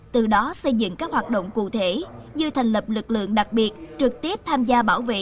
từ đó xây dựng các hoạt động cụ thể như thành lập lực lượng đặc biệt trực tiếp tham gia bảo vệ